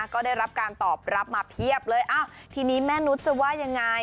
ก็ได้รับการตอบรับมาเพียบเลยอ้าวทีนี้แม่นุษย์จะว่ายังไง